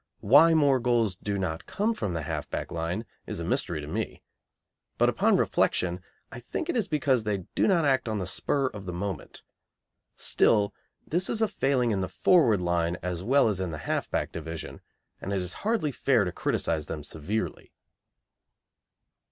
Why more goals do not come from the half back line is a mystery to me, but upon reflection I think it is because they do not act on the spur of the moment. Still, this is a failing in the forward line as well as in the half back division, and it is hardly fair to criticise them severely.